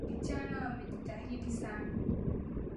Wasichana wamejitahidi sana.